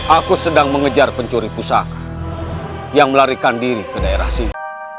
aku sedang mengejar pencuri pusaka yang melarikan diri ke daerah sini